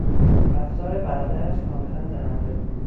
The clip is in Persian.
رفتار برادرش کاملا زننده بود.